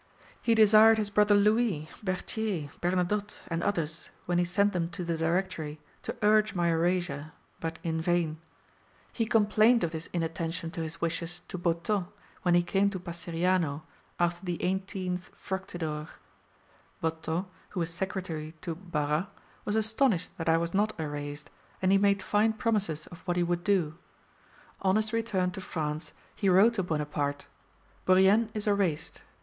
He desired his brother Louis, Berthier, Bernadotte, and others, when he sent them to the Directory, to urge my erasure; but in vain. He complained of this inattention to his wishes to Bottot, when he came to Passeriano, after the 18th Fructidor. Bottot, who was secretary to Barras, was astonished that I was not erased, and he made fine promises of what he would do. On his return to France he wrote to Bonaparte: "Bourrienne is erased."